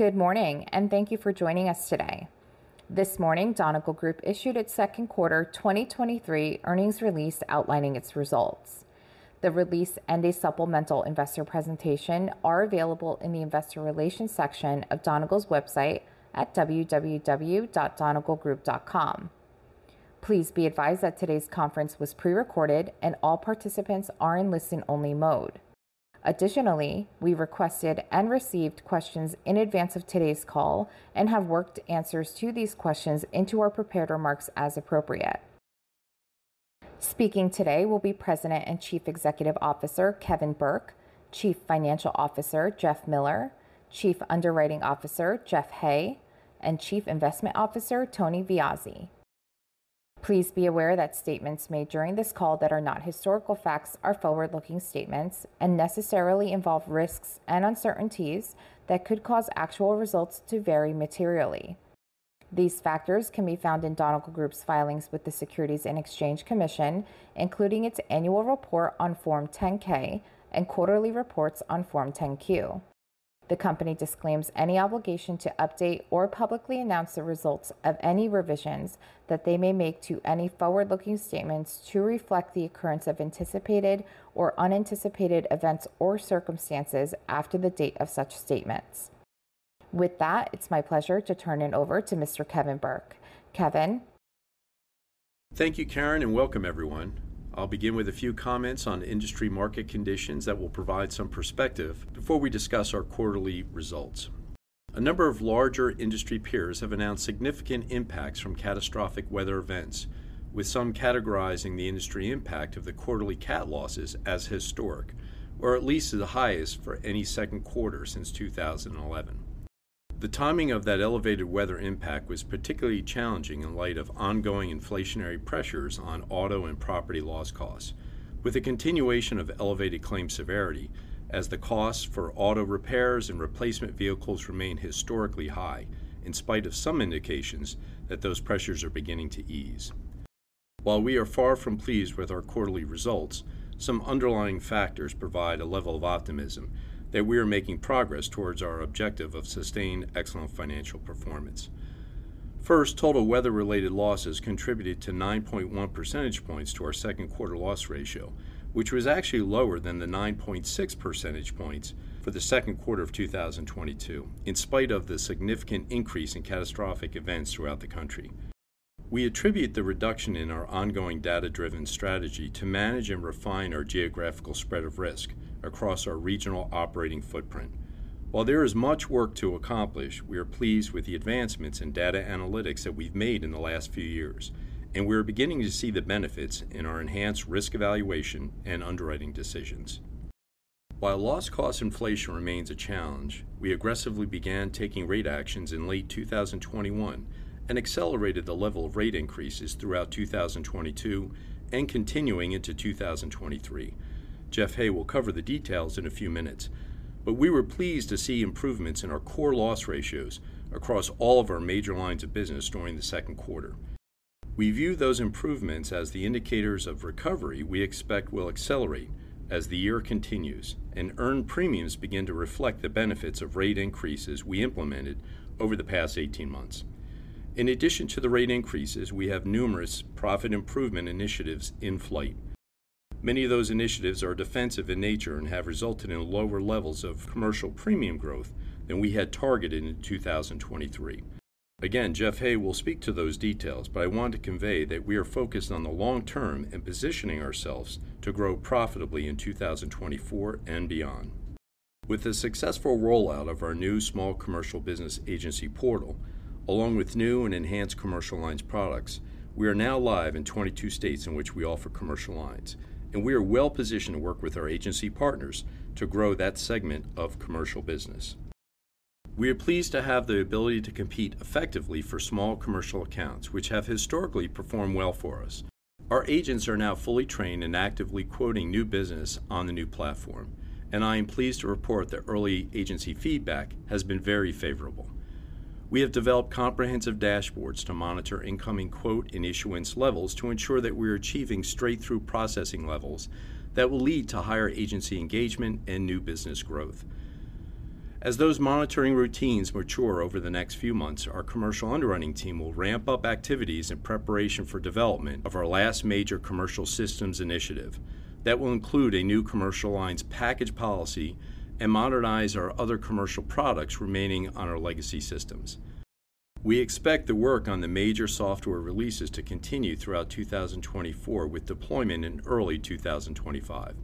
Good morning. Thank you for joining us today. This morning, Donegal Group issued its second quarter 2023 earnings release outlining its results. The release and a supplemental investor presentation are available in the Investor Relations section of Donegal's website at www.donegalgroup.com. Please be advised that today's conference was pre-recorded and all participants are in listen-only mode. Additionally, we requested and received questions in advance of today's call and have worked answers to these questions into our prepared remarks as appropriate. Speaking today will be President and Chief Executive Officer, Kevin Burke, Chief Financial Officer, Jeff Miller, Chief Underwriting Officer, Jeff Hay, and Chief Investment Officer, Tony Viazzi. Please be aware that statements made during this call that are not historical facts are forward-looking statements and necessarily involve risks and uncertainties that could cause actual results to vary materially. These factors can be found in Donegal Group's filings with the Securities and Exchange Commission, including its annual report on Form 10-K and quarterly reports on Form 10-Q. The company disclaims any obligation to update or publicly announce the results of any revisions that they may make to any forward-looking statements to reflect the occurrence of anticipated or unanticipated events or circumstances after the date of such statements. With that, it's my pleasure to turn it over to Mr. Kevin Burke. Kevin? Thank you, Karen. Welcome everyone. I'll begin with a few comments on industry market conditions that will provide some perspective before we discuss our quarterly results. A number of larger industry peers have announced significant impacts from catastrophic weather events, with some categorizing the industry impact of the quarterly cat losses as historic, or at least the highest for any second quarter since 2011. The timing of that elevated weather impact was particularly challenging in light of ongoing inflationary pressures on auto and property loss costs, with a continuation of elevated claims severity as the costs for auto repairs and replacement vehicles remain historically high, in spite of some indications that those pressures are beginning to ease. While we are far from pleased with our quarterly results, some underlying factors provide a level of optimism that we are making progress towards our objective of sustained excellent financial performance. First, total weather-related losses contributed to 9.1 percentage points to our second quarter loss ratio, which was actually lower than the 9.6 percentage points for the second quarter of 2022, in spite of the significant increase in catastrophic events throughout the country. We attribute the reduction in our ongoing data-driven strategy to manage and refine our geographical spread of risk across our regional operating footprint. While there is much work to accomplish, we are pleased with the advancements in data analytics that we've made in the last few years, and we are beginning to see the benefits in our enhanced risk evaluation and underwriting decisions. While loss cost inflation remains a challenge, we aggressively began taking rate actions in late 2021 and accelerated the level of rate increases throughout 2022 and continuing into 2023. Jeff Hay will cover the details in a few minutes. We were pleased to see improvements in our core loss ratios across all of our major lines of business during the second quarter. We view those improvements as the indicators of recovery we expect will accelerate as the year continues and earned premiums begin to reflect the benefits of rate increases we implemented over the past 18 months. In addition to the rate increases, we have numerous profit improvement initiatives in flight. Many of those initiatives are defensive in nature and have resulted in lower levels of commercial premium growth than we had targeted in 2023. Again, Jeff Hay will speak to those details, but I want to convey that we are focused on the long term and positioning ourselves to grow profitably in 2024 and beyond. With the successful rollout of our new small commercial business agency portal, along with new and enhanced commercial lines products, we are now live in 22 states in which we offer commercial lines, and we are well positioned to work with our agency partners to grow that segment of commercial business. We are pleased to have the ability to compete effectively for small commercial accounts, which have historically performed well for us. Our agents are now fully trained and actively quoting new business on the new platform, and I am pleased to report that early agency feedback has been very favorable. We have developed comprehensive dashboards to monitor incoming quote and issuance levels to ensure that we are achieving straight-through processing levels that will lead to higher agency engagement and new business growth. As those monitoring routines mature over the next few months, our commercial underwriting team will ramp up activities in preparation for development of our last major commercial systems initiative. That will include a new commercial lines package policy and modernize our other commercial products remaining on our legacy systems. We expect the work on the major software releases to continue throughout 2024, with deployment in early 2025.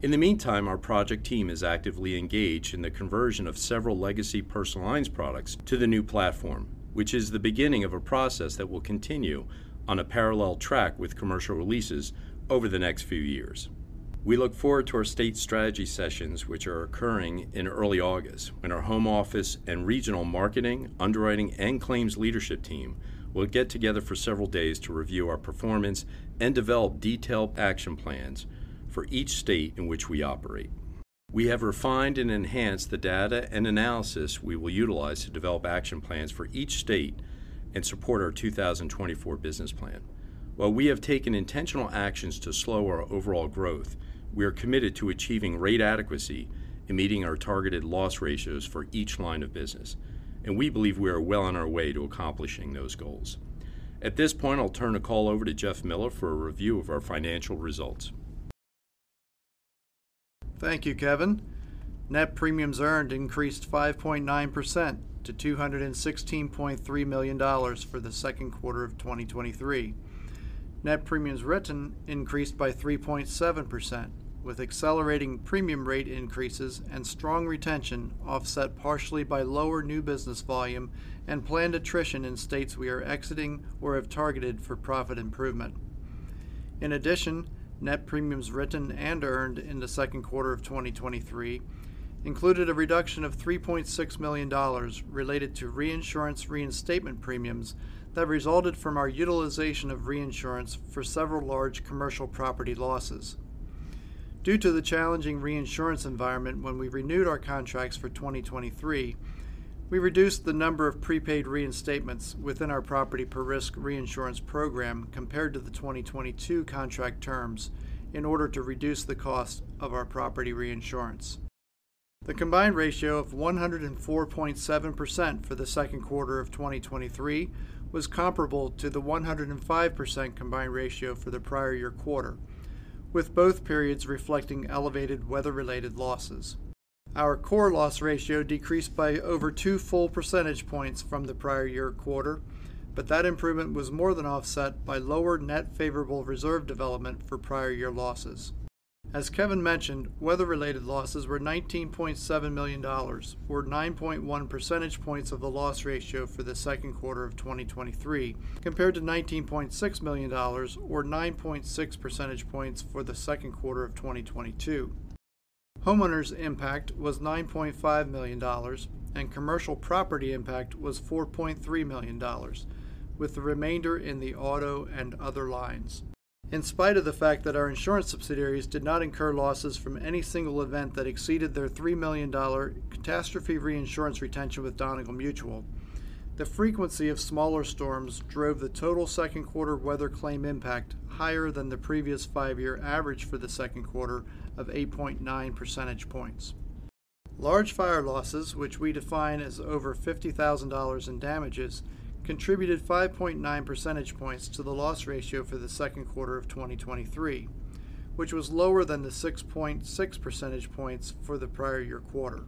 In the meantime, our project team is actively engaged in the conversion of several legacy personal lines products to the new platform, which is the beginning of a process that will continue on a parallel track with commercial releases over the next few years. We look forward to our state strategy sessions, which are occurring in early August, when our home office and regional marketing, underwriting, and claims leadership team will get together for several days to review our performance and develop detailed action plans for each state in which we operate. We have refined and enhanced the data and analysis we will utilize to develop action plans for each state and support our 2024 business plan. While we have taken intentional actions to slow our overall growth, we are committed to achieving rate adequacy and meeting our targeted loss ratios for each line of business, and we believe we are well on our way to accomplishing those goals. At this point, I'll turn the call over to Jeff Miller for a review of our financial results. Thank you, Kevin. net premiums earned increased 5.9% to $216.3 million for the second quarter of 2023. net premiums written increased by 3.7%, with accelerating premium rate increases and strong retention, offset partially by lower new business volume and planned attrition in states we are exiting or have targeted for profit improvement. In addition, net premiums written and earned in the second quarter of 2023 included a reduction of $3.6 million related to reinsurance reinstatement premiums that resulted from our utilization of reinsurance for several large commercial property losses. Due to the challenging reinsurance environment, when we renewed our contracts for 2023, we reduced the number of prepaid reinstatements within our property per risk reinsurance program compared to the 2022 contract terms in order to reduce the cost of our property reinsurance. The Combined Ratio of 104.7% for the second quarter of 2023 was comparable to the 105% Combined Ratio for the prior year quarter, with both periods reflecting elevated weather-related losses. Our core loss ratio decreased by over 2 full percentage points from the prior year quarter, but that improvement was more than offset by lower net favorable reserve development for prior year losses. As Kevin mentioned, weather-related losses were $19.7 million, or 9.1 percentage points of the loss ratio for the second quarter of 2023, compared to $19.6 million, or 9.6 percentage points for the second quarter of 2022. Homeowners' impact was $9.5 million, and commercial property impact was $4.3 million, with the remainder in the auto and other lines. In spite of the fact that our insurance subsidiaries did not incur losses from any single event that exceeded their $3 million catastrophe reinsurance retention with Donegal Mutual, the frequency of smaller storms drove the total second quarter weather claim impact higher than the previous five-year average for the second quarter of 8.9 percentage points. Large fire losses, which we define as over $50,000 in damages, contributed 5.9 percentage points to the loss ratio for the second quarter of 2023, which was lower than the 6.6 percentage points for the prior year quarter.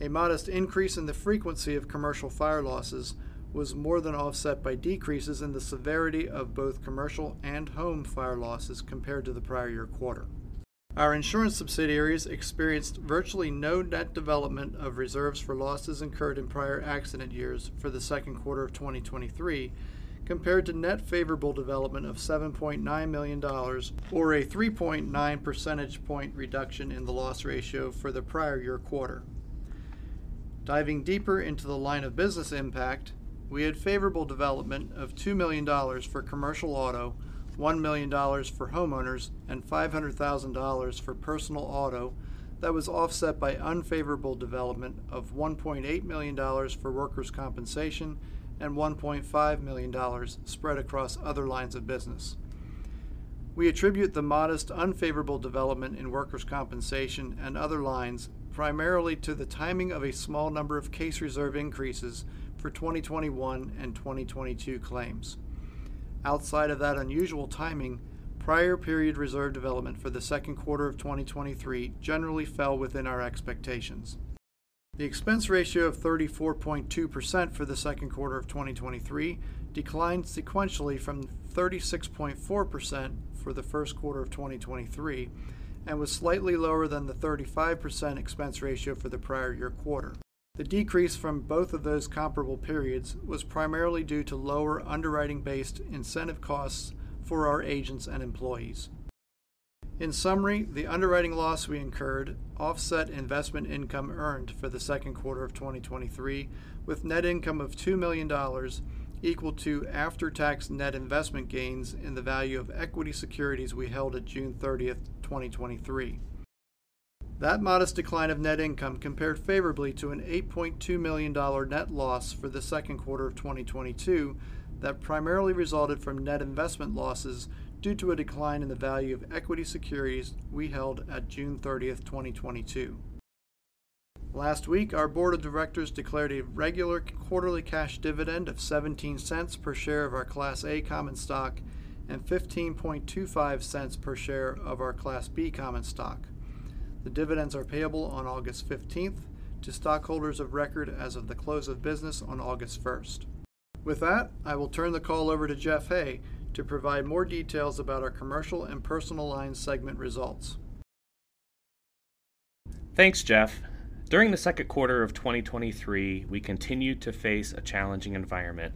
A modest increase in the frequency of commercial fire losses was more than offset by decreases in the severity of both commercial and home fire losses compared to the prior year quarter. Our insurance subsidiaries experienced virtually no net development of reserves for losses incurred in prior accident years for the second quarter of 2023, compared to net favorable development of $7.9 million, or a 3.9 percentage point reduction in the loss ratio for the prior year quarter. Diving deeper into the line of business impact, we had favorable development of $2 million for commercial auto, $1 million for homeowners, and $500,000 for personal auto that was offset by unfavorable development of $1.8 million for workers' compensation and $1.5 million spread across other lines of business. We attribute the modest, unfavorable development in workers' compensation and other lines primarily to the timing of a small number of case reserve increases for 2021 and 2022 claims. Outside of that unusual timing, prior period reserve development for the second quarter of 2023 generally fell within our expectations. The expense ratio of 34.2% for the second quarter of 2023 declined sequentially from 36.4% for the first quarter of 2023 and was slightly lower than the 35% expense ratio for the prior year quarter. The decrease from both of those comparable periods was primarily due to lower underwriting-based incentive costs for our agents and employees. In summary, the underwriting loss we incurred offset investment income earned for the second quarter of 2023, with net income of $2 million equal to after-tax net investment gains in the value of equity securities we held at June 30th, 2023. That modest decline of net income compared favorably to an $8.2 million net loss for the second quarter of 2022, primarily resulted from net investment losses due to a decline in the value of equity securities we held at June 30th, 2022. Last week, our board of directors declared a regular quarterly cash dividend of $0.17 per share of our Class A common stock and $0.1525 per share of our Class B common stock. The dividends are payable on August 15th to stockholders of record as of the close of business on August 1st. I will turn the call over to Jeff Hay to provide more details about our commercial and personal lines segment results. Thanks, Jeff. During the second quarter of 2023, we continued to face a challenging environment,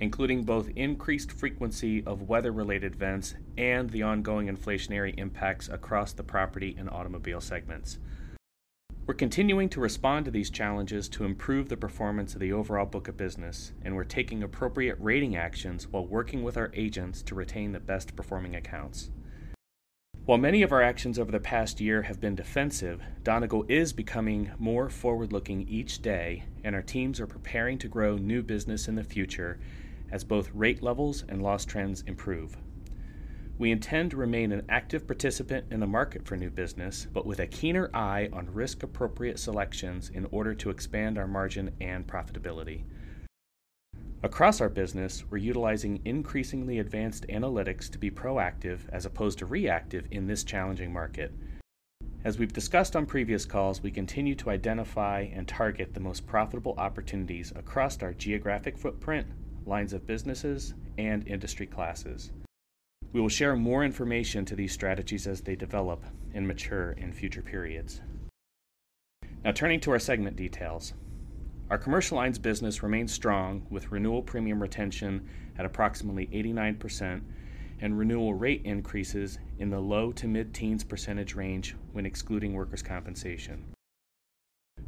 including both increased frequency of weather-related events and the ongoing inflationary impacts across the property and automobile segments. We're continuing to respond to these challenges to improve the performance of the overall book of business. We're taking appropriate rating actions while working with our agents to retain the best-performing accounts. While many of our actions over the past year have been defensive, Donegal is becoming more forward-looking each day. Our teams are preparing to grow new business in the future as both rate levels and loss trends improve. We intend to remain an active participant in the market for new business, with a keener eye on risk-appropriate selections in order to expand our margin and profitability. Across our business, we're utilizing increasingly advanced analytics to be proactive as opposed to reactive in this challenging market. As we've discussed on previous calls, we continue to identify and target the most profitable opportunities across our geographic footprint, lines of businesses, and industry classes. We will share more information to these strategies as they develop and mature in future periods. Now, turning to our segment details. Our commercial lines business remains strong, with renewal premium retention at approximately 89% and renewal rate increases in the low to mid-teens % range when excluding workers' compensation.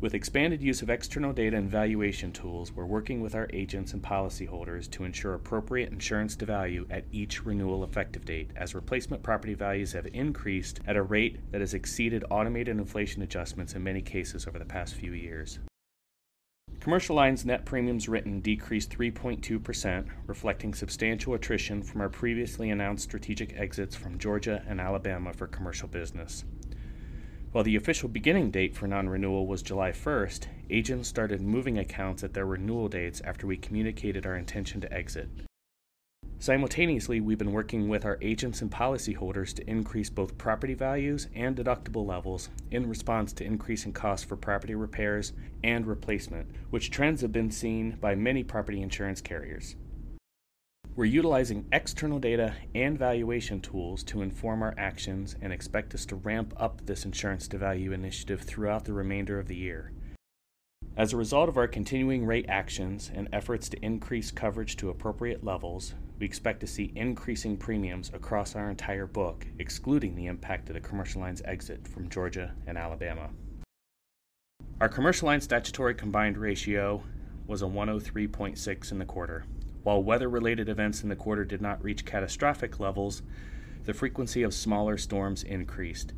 With expanded use of external data and valuation tools, we're working with our agents and policyholders to ensure appropriate insurance to value at each renewal effective date, as replacement property values have increased at a rate that has exceeded automated inflation adjustments in many cases over the past few years. Commercial lines net premiums written decreased 3.2%, reflecting substantial attrition from our previously announced strategic exits from Georgia and Alabama for commercial business. While the official beginning date for non-renewal was July 1st, agents started moving accounts at their renewal dates after we communicated our intention to exit. Simultaneously, we've been working with our agents and policyholders to increase both property values and deductible levels in response to increasing costs for property repairs and replacement, which trends have been seen by many property insurance carriers. We're utilizing external data and valuation tools to inform our actions and expect us to ramp up this insurance to value initiative throughout the remainder of the year. As a result of our continuing rate actions and efforts to increase coverage to appropriate levels, we expect to see increasing premiums across our entire book, excluding the impact of the commercial lines exit from Georgia and Alabama. Our commercial lines statutory combined ratio was 103.6 in the quarter. While weather-related events in the quarter did not reach catastrophic levels, the frequency of smaller storms increased.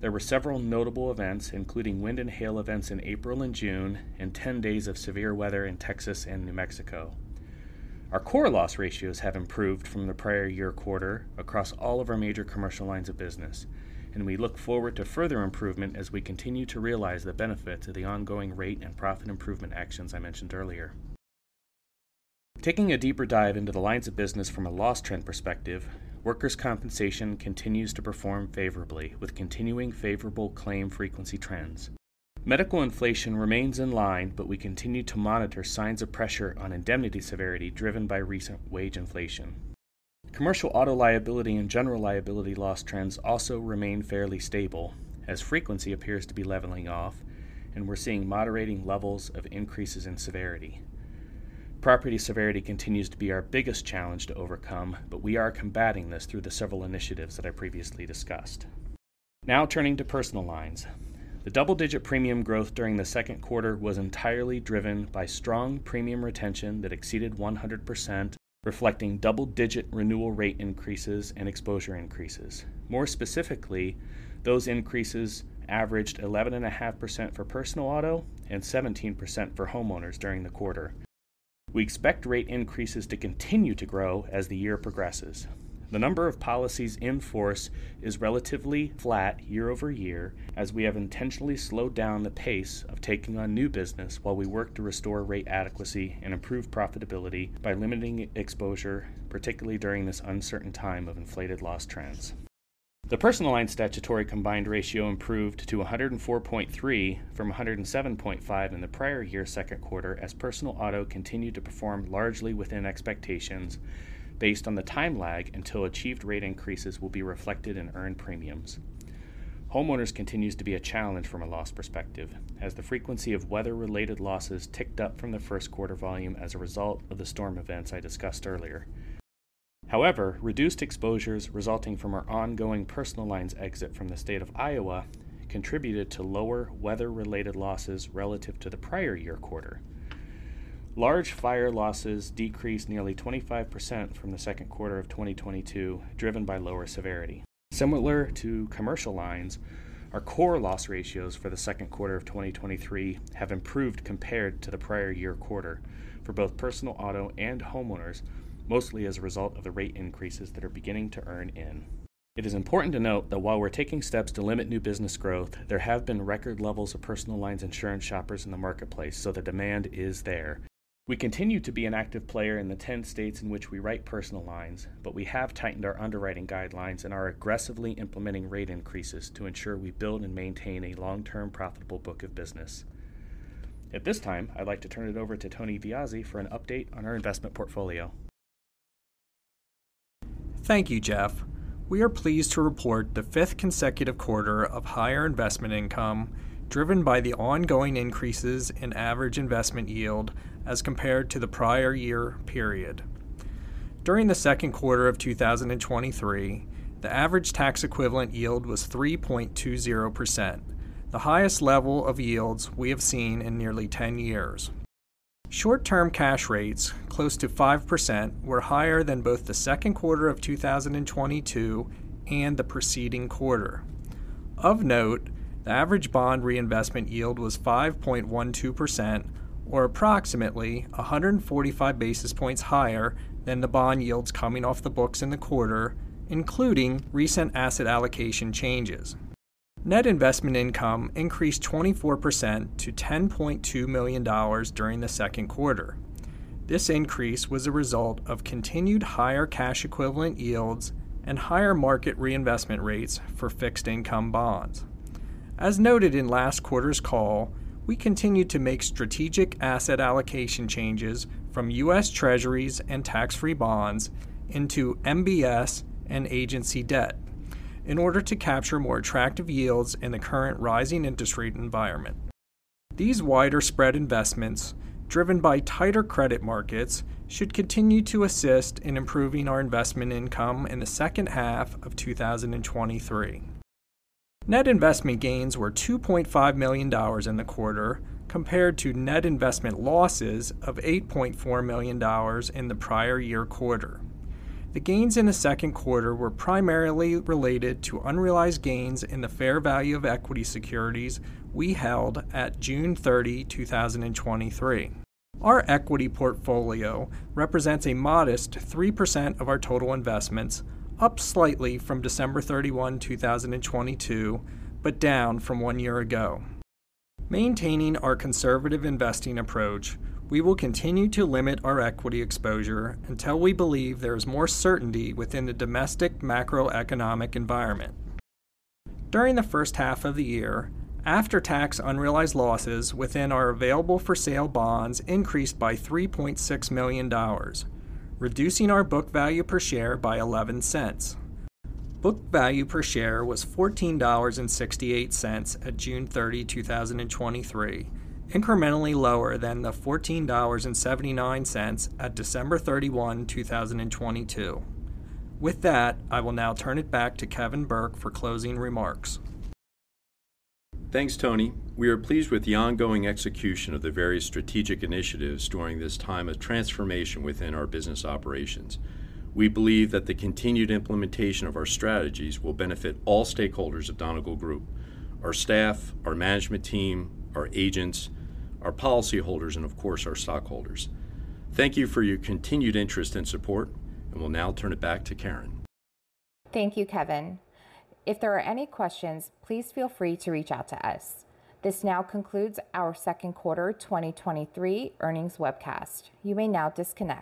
There were several notable events, including wind and hail events in April and June, and 10 days of severe weather in Texas and New Mexico. Our core loss ratios have improved from the prior year quarter across all of our major commercial lines of business, and we look forward to further improvement as we continue to realize the benefits of the ongoing rate and profit improvement actions I mentioned earlier. Taking a deeper dive into the lines of business from a loss trend perspective, workers' compensation continues to perform favorably, with continuing favorable claim frequency trends. Medical inflation remains in line, but we continue to monitor signs of pressure on indemnity severity driven by recent wage inflation. Commercial auto liability and general liability loss trends also remain fairly stable as frequency appears to be leveling off, and we're seeing moderating levels of increases in severity. Property severity continues to be our biggest challenge to overcome, but we are combating this through the several initiatives that I previously discussed. Now, turning to personal lines. The double-digit premium growth during the second quarter was entirely driven by strong premium retention that exceeded 100%, reflecting double-digit renewal rate increases and exposure increases. More specifically, those increases averaged 11.5% for personal auto and 17% for homeowners during the quarter. We expect rate increases to continue to grow as the year progresses. The number of policies in force is relatively flat year-over-year, as we have intentionally slowed down the pace of taking on new business while we work to restore rate adequacy and improve profitability by limiting exposure, particularly during this uncertain time of inflated loss trends. The personal line statutory combined ratio improved to 104.3 from 107.5 in the prior year second quarter, as personal auto continued to perform largely within expectations based on the time lag until achieved rate increases will be reflected in earned premiums. Homeowners continues to be a challenge from a loss perspective, as the frequency of weather-related losses ticked up from the first quarter volume as a result of the storm events I discussed earlier. However, reduced exposures resulting from our ongoing personal lines exit from the state of Iowa contributed to lower weather-related losses relative to the prior year quarter. Large fire losses decreased nearly 25% from the second quarter of 2022, driven by lower severity. Similar to commercial lines, our core loss ratios for the second quarter of 2023 have improved compared to the prior year quarter for both personal auto and homeowners, mostly as a result of the rate increases that are beginning to earn in. It is important to note that while we're taking steps to limit new business growth, there have been record levels of personal lines insurance shoppers in the marketplace. The demand is there. We continue to be an active player in the 10 states in which we write personal lines. We have tightened our underwriting guidelines and are aggressively implementing rate increases to ensure we build and maintain a long-term, profitable book of business. At this time, I'd like to turn it over to Tony Viozzi for an update on our investment portfolio. Thank you, Jeff. We are pleased to report the fifth consecutive quarter of higher investment income, driven by the ongoing increases in average investment yield as compared to the prior year period. During the second quarter of 2023, the average tax equivalent yield was 3.20%, the highest level of yields we have seen in nearly 10 years. Short-term cash rates, close to 5%, were higher than both the second quarter of 2022 and the preceding quarter. Of note, the average bond reinvestment yield was 5.12%, or approximately 145 basis points higher than the bond yields coming off the books in the quarter, including recent asset allocation changes. Net investment income increased 24% to $10.2 million during the second quarter. This increase was a result of continued higher cash equivalent yields and higher market reinvestment rates for fixed income bonds. As noted in last quarter's call, we continued to make strategic asset allocation changes from U.S. Treasuries and tax-free bonds into MBS and agency debt in order to capture more attractive yields in the current rising interest rate environment. These wider spread investments, driven by tighter credit markets, should continue to assist in improving our investment income in the second half of 2023. Net investment gains were $2.5 million in the quarter, compared to net investment losses of $8.4 million in the prior year quarter. The gains in the second quarter were primarily related to unrealized gains in the fair value of equity securities we held at June 30, 2023. Our equity portfolio represents a modest 3% of our total investments, up slightly from December 31, 2022, but down from one year ago. Maintaining our conservative investing approach, we will continue to limit our equity exposure until we believe there is more certainty within the domestic macroeconomic environment. During the first half of the year, after-tax unrealized losses within our available-for-sale bonds increased by $3.6 million, reducing our book value per share by $0.11. Book value per share was $14.68 at June 30, 2023, incrementally lower than the $14.79 at December 31, 2022. With that, I will now turn it back to Kevin Burke for closing remarks. Thanks, Tony. We are pleased with the ongoing execution of the various strategic initiatives during this time of transformation within our business operations. We believe that the continued implementation of our strategies will benefit all stakeholders of Donegal Group, our staff, our management team, our agents, our policyholders, and of course, our stockholders. Thank you for your continued interest and support, and we'll now turn it back to Karen. Thank you, Kevin. If there are any questions, please feel free to reach out to us. This now concludes our second quarter 2023 earnings webcast. You may now disconnect.